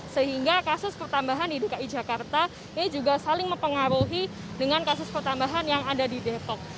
sehingga kasus pertambahan di dki jakarta ini juga saling mempengaruhi dengan kasus pertambahan yang ada di depok